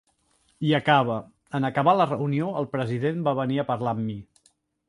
I acaba: En acabar la reunió, el president va venir a parlar amb mi.